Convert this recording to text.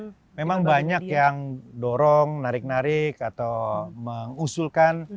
ya memang banyak yang dorong narik narik atau mengusulkan